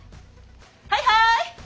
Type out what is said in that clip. はいはい！